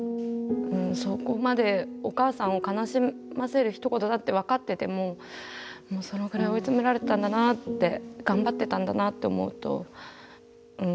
そこまでお母さんを悲しませるひと言だって分かっててももうそのぐらい追い詰められてたんだなって頑張ってたんだなって思うとうん。